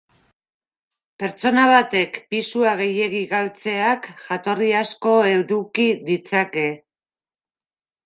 Pertsona batek pisua gehiegi galtzeak jatorri asko eduki ditzake.